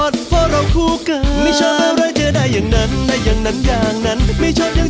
เดี๋ยวให้มันเต็มนะอย่าให้มันมีช่องว่าง